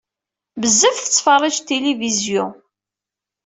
Bezzaf tettferrij tilivizyu.